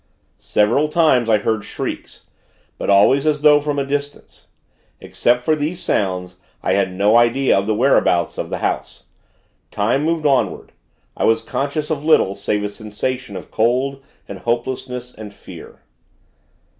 Several times, I heard shrieks; but always as though from a distance. Except for these sounds, I had no idea of the whereabouts of the house. Time moved onward. I was conscious of little, save a sensation of cold and hopelessness and fear.